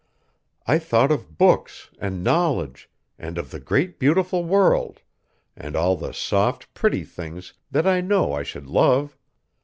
I thought of books, and knowledge, and of the great beautiful world, and all the soft, pretty things that I know I should love.